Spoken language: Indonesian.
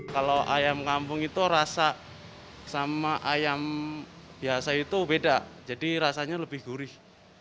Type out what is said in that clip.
kalau ayam kampung itu rasa sama ayam biasa itu beda jadi rasanya lebih gurih